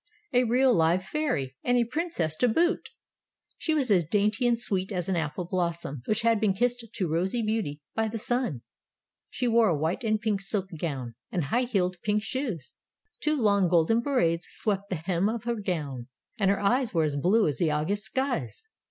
A real live fairy, and a princess to boot. She was as dainty and sweet as an apple blossom which has been kissed to rosy beauty by the sun. She wore a white and pink silk gown, and high heeled pink shoes. Two long golden braids swept the hem of her gown, and her eyes were as blue as the August skies.